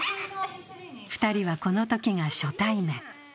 ２人は、このときが初対面。